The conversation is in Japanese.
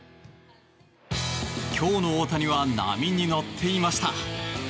今日の大谷は波に乗っていました。